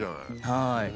はい。